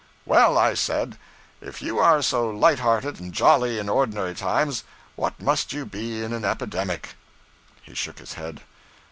'Well,' said I, 'if you are so light hearted and jolly in ordinary times, what must you be in an epidemic?' He shook his head.